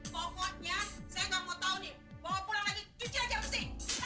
pokoknya saya gak mau tau nih bawa pulang lagi cuci aja besi